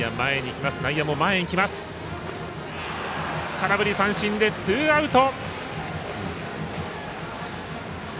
空振り三振でツーアウト。